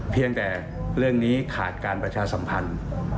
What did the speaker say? เพียงแต่เรื่องนี้ขาดการประชาสัมพันธ์